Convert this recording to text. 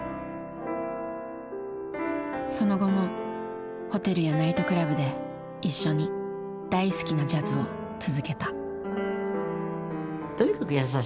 その後もホテルやナイトクラブで一緒に大好きなジャズを続けた。